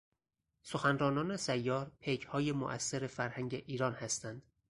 سخنرانان سیار پیکهای موثر فرهنگ ایران هستند.